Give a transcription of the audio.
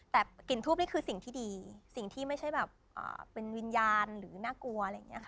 แต่กลิ่นทูปนี่คือสิ่งที่ดีสิ่งที่ไม่ใช่แบบเป็นวิญญาณหรือน่ากลัวอะไรอย่างนี้ค่ะ